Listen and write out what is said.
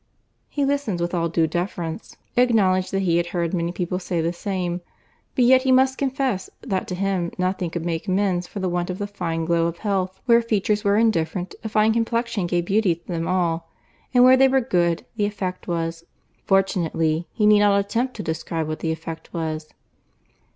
He listened with all due deference; acknowledged that he had heard many people say the same—but yet he must confess, that to him nothing could make amends for the want of the fine glow of health. Where features were indifferent, a fine complexion gave beauty to them all; and where they were good, the effect was—fortunately he need not attempt to describe what the effect was.